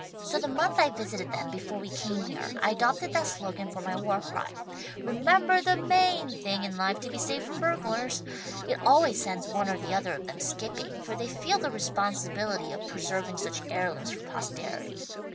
So the month I visited them, before we came here, I adopted that slogan for my war cry: '"Remember the main" thing in life to be saved from burglars!' It always sends one or the other of them skipping, for they feel the responsibility of preserving such heirlooms for posterity.